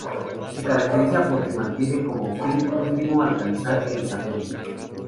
Se caracteriza porque mantiene como fin último alcanzar el "satori".